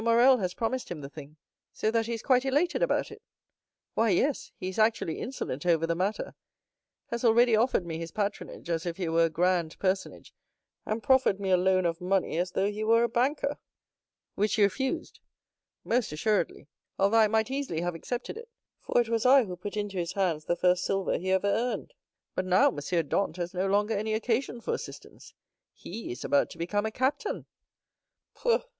Morrel has promised him the thing." "So that he is quite elated about it?" "Why, yes, he is actually insolent over the matter—has already offered me his patronage, as if he were a grand personage, and proffered me a loan of money, as though he were a banker." "Which you refused?" "Most assuredly; although I might easily have accepted it, for it was I who put into his hands the first silver he ever earned; but now M. Dantès has no longer any occasion for assistance—he is about to become a captain." "Pooh!"